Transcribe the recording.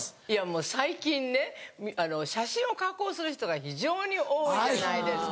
もう最近ね写真を加工する人が非常に多いじゃないですか。